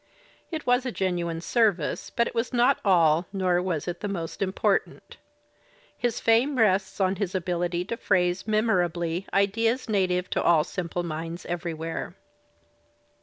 It was a genuine service, but it was not all nor was it the most important. His fame rests on his ability to phrase memorably ideas native to all simple minds everywhere.